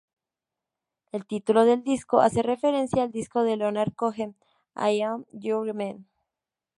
El título del disco hace referencia al disco de Leonard Cohen "I'm Your Man".